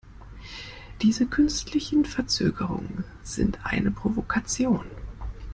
Diese künstlichen Verzögerungen sind eine Provokation.